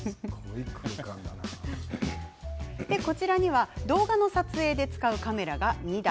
こちらには動画の撮影で使うカメラが２台。